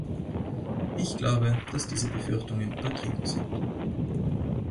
Ich glaube, dass diese Befürchtungen übertrieben sind.